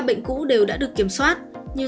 bệnh cũ đều đã được kiểm soát như